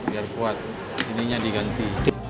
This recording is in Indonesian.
biar kuat ini nya diganti